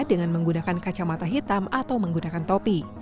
dengan menggunakan kacamata hitam atau menggunakan topi